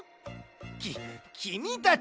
ききみたち！